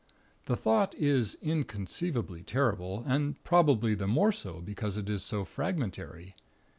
The thought is inconceivably terrible, and probably the more so because it is so fragmentary.